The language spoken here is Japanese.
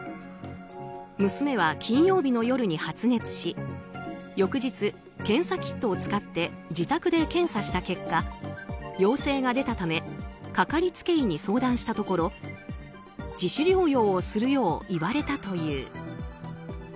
娘は金曜日の夜に発熱し翌日、検査キットを使って自宅で検査した結果陽性が出たためかかりつけ医に相談したところ自主療養をするよう言われたという。